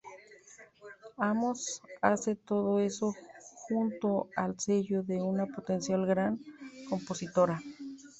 Amos hace todo eso junto al sello de una potencial gran compositora.